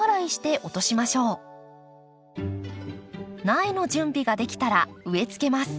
苗の準備ができたら植えつけます。